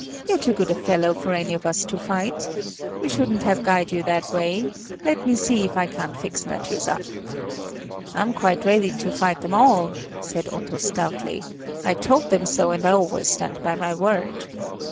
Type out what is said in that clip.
You're too good a fellow for any of us to fight. We shouldn't have guyed you that way. Let me see if I can't fix matters up." "I'm quite ready to fight them all," said Otto stoutly. "I told them so, and I always stand by my word."